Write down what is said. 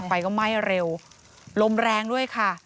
ไฟก็ไหม้เร็วลมแรงด้วยค่ะ